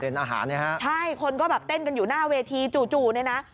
อาหารเนี่ยฮะใช่คนก็แบบเต้นกันอยู่หน้าเวทีจู่จู่เนี่ยนะ